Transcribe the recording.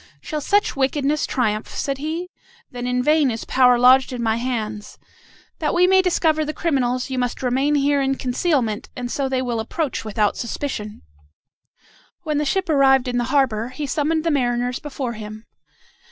"Shall such wickedness triumph?" said he. "Then in vain is power lodged in my hands. That we may discover the criminals, you must remain here in concealment, and so they will approach without suspicion." When the ship arrived in the harbor, he summoned the mariners before him.